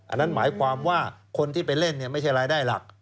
อันนั้นหมายความว่าคนที่ไปเล่นไม่ใช่รายได้หลัก